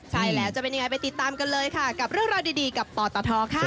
ใช่แล้วจะเป็นยังไงไปติดตามกันเลยค่ะกับเรื่องราวดีกับปตทค่ะ